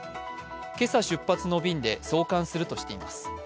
今朝出発の便で送還するとしています。